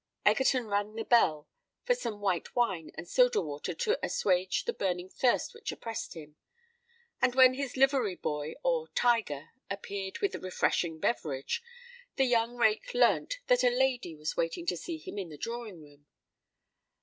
Egerton rang the bell for some white wine and soda water to assuage the burning thirst which oppressed him; and when his livery boy, or "tiger," appeared with the refreshing beverage, the young rake learnt that a lady was waiting to see him in the drawing room.